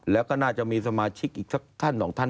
แล้วก็น่าจะสมาชิกอีก๒ท่าน